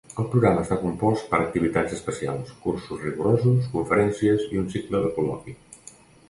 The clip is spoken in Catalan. El programa està compost per activitats especials, cursos rigorosos, conferències i un cicle de col·loqui.